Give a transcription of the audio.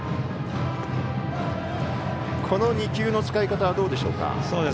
この２球の使い方はどうでしょうか。